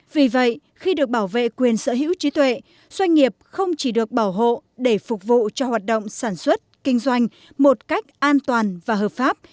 vì vậy khi được bảo vệ quyền sở hữu trí tuệ doanh nghiệp không chỉ được bảo hộ để phục vụ cho hoạt động sản xuất kinh doanh một cách an toàn và hợp pháp